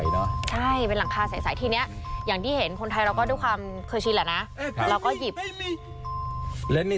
อันนี้เป็นหลังคาใสที่นี้อย่างที่เห็นคนไทยเราก็ด้วยความเคยชินแหละนะ